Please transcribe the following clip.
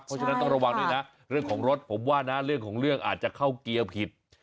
เพราะฉะนั้นต้องระวังด้วยนะเรื่องของรถผมว่านะเรื่องของเรื่องอาจจะเข้าเกียร์ผิด